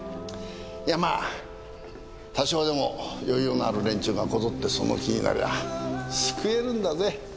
いやまあ多少でも余裕のある連中がこぞってその気になりゃあ救えるんだぜ。